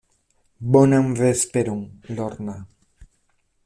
Bonan vesperon, Lorna.